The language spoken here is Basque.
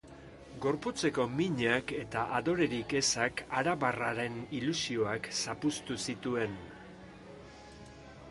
Gorputzeko minak eta adorerik ezak arabarraren ilusioak zapuztu zituen.